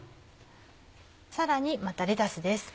さらにまたレタスです。